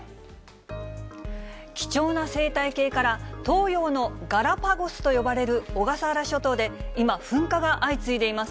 貴重な生態系から、東洋のガラパゴスと呼ばれる小笠原諸島で、今、噴火が相次いでいます。